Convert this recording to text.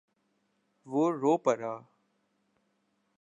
وہ رو پڑا۔